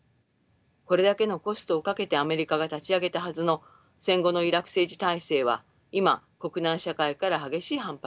これだけのコストをかけてアメリカが立ち上げたはずの戦後のイラク政治体制は今国内社会から激しい反発を受けています。